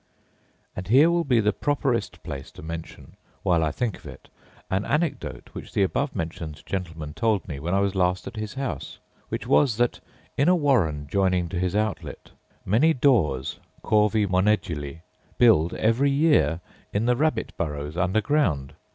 And here will be the properest place to mention, while I think of it, an anecdote which the above mentioned gentleman told me when I was last at his house; which was that, in a warren joining to his outlet, many daws (corvi monedulae) build every year in the rabbit burrows under ground.